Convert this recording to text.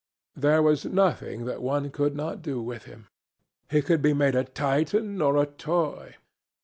There was nothing that one could not do with him. He could be made a Titan or a toy.